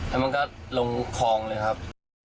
แล้วมันก็ลงคลองเลยครับ